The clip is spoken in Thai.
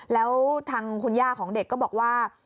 แล้วทางคุณย่าของเด็กก็บอกว่า